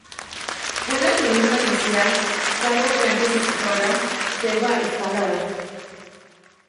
Fue la cronista social, cargo que antes ocupara Selva Escalada.